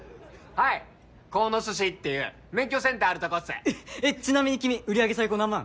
はい鴻巣市っていう免許センターあるとこっすえっちなみに君売り上げ最高何万？